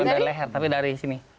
udah dari leher tapi dari sini